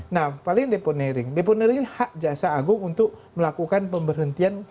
nah paling deponering deponering hak jasa agung untuk melakukan pemberhentian